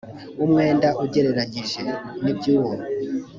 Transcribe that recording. umwenda ugereranyije n ibyo uwo